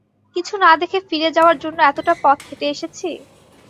কিছু না দেখে ফিরে যাওয়ার জন্য এতটা পথ হেঁটে এসেছি?